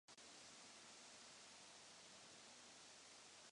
Miguel se mu postaví na odpor a je postřelen.